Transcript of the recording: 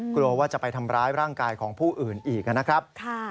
กลัวว่าจะไปทำร้ายร่างกายของผู้อื่นอีกนะครับ